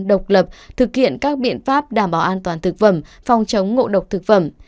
độc lập thực hiện các biện pháp đảm bảo an toàn thực phẩm phòng chống ngộ độc thực phẩm